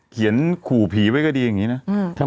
เขียนขู่ผีไว้ก็ดีอย่างนี้นะ